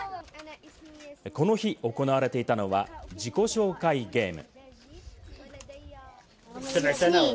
この日、行われていたのは自己紹介ゲーム。